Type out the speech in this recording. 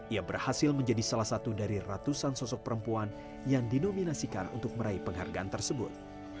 ia berhasil menjadi salah satu dari ratusan sosok perempuan yang dinominasikan untuk meraih penghargaan tersebut